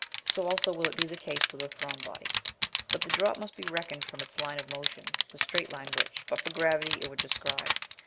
So also will it be the case with a thrown body, but the drop must be reckoned from its line of motion the straight line which, but for gravity, it would describe.